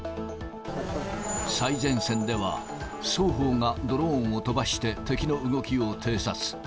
最前線では、双方がドローンを飛ばして敵の動きを偵察。